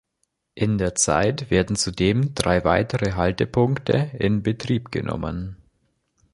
In der Zeit werden zudem drei weitere Haltepunkte in Betrieb genommen.